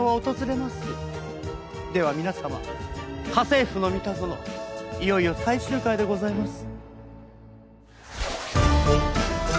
では皆様『家政夫のミタゾノ』いよいよ最終回でございます。